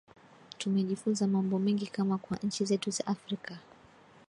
tumejifunza mambo mengi kama kwa nchi zetu za afrika